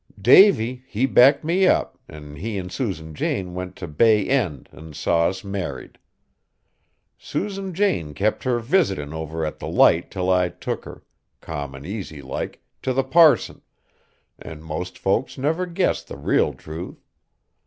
Davy, he backed me up, an' he an' Susan Jane went t' Bay End an' saw us married. Susan Jane kept her visitin' over at the Light till I took her, calm an' easy like, t' the parson, an' most folks never guessed the real truth.